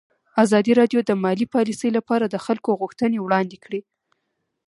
ازادي راډیو د مالي پالیسي لپاره د خلکو غوښتنې وړاندې کړي.